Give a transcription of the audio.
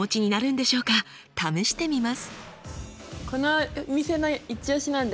試してみます。